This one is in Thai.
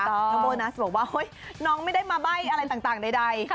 โบนัสบอกว่าน้องไม่ได้มาใบ้อะไรต่างใด